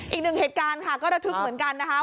อีกหนึ่งเหตุการณ์ค่ะก็ระทึกเหมือนกันนะคะ